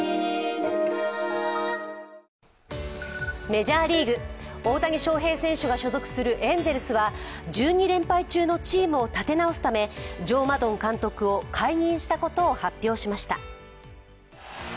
メジャーリーグ、大谷翔平選手が所属するエンゼルスは、１２連敗中のチームを立て直すため、ジョー・マドン監督を解任したことを発表しました。